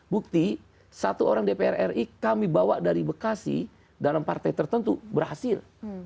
bukti satu orang dpr ri kami bawa dari bekasi dalam partai tertentu berhasil